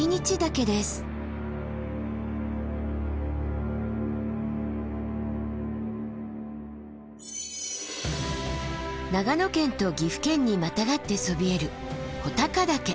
長野県と岐阜県にまたがってそびえる穂高岳。